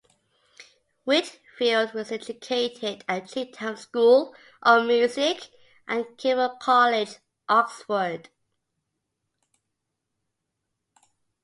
Whitfield was educated at Chetham's School of Music and Keble College, Oxford.